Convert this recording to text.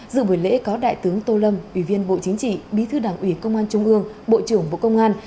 dự buổi lễ có đại tướng tô lâm ủy viên bộ chính trị bí thư đảng ủy công an trung ương bộ trưởng bộ công an